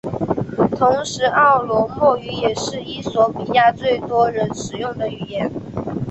同时奥罗莫语也是衣索比亚最多人使用的语言。